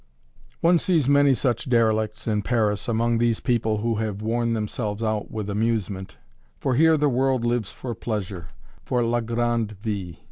One sees many such derelicts in Paris among these people who have worn themselves out with amusement, for here the world lives for pleasure, for "la grande vie!"